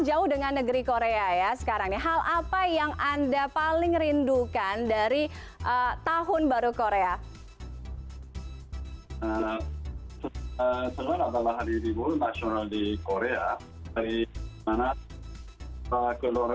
jauh dari indonesia dan juga indonesia yang sangat mengingatkan kepadamu dan juga yang sangat mencintai